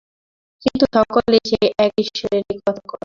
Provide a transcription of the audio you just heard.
কিন্তু সকলেই সেই এক ঈশ্বরেরই কথা কয়।